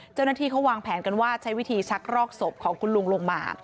เจ้าหน้าที่เขาวางแผนกันว่าใช้วิธีชักรอกศพของคุณลุงลงมา